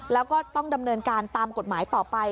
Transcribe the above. แล้วก็ต้องดำเนินการตามกฎหมายต่อไป